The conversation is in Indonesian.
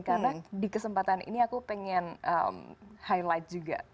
karena di kesempatan ini aku pengen highlight juga